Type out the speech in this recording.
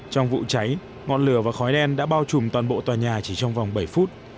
trong vụ cháy ngọn lửa và khói đen đã bao trùm toàn bộ tòa nhà chỉ trong vòng bảy phút